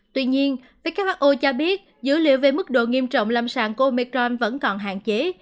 tuy nhiên who cho biết dữ liệu về mức độ nghiêm trọng lâm sàng của omecron vẫn còn hạn chế